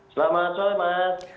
selamat sore mas